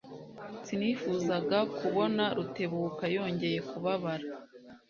Sinifuzaga kubona Rutebuka yongeye kubabara.